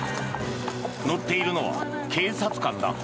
乗っているのは警察官だ。